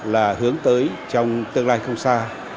là hướng tới trong tương lai không xa